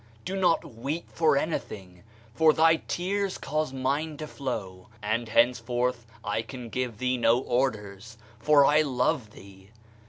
Do not weep for anything, for thy tears cause mine to flow, and henceforth I can give thee no orders, for I love thee!